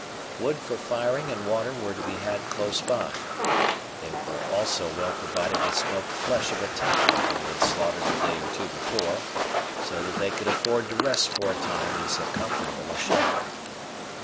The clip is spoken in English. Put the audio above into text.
Wood for firing and water were to be had close by; they were also well provided with smoked flesh of a tapir they had slaughtered a day or two before, so that they could afford to rest for a time in so comfortable a shelter.